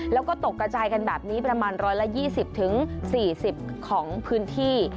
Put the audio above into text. แล้วก็ตกกระจายกันแบบนี้ประมาณ๑๒๐๔๐ของพื้นที่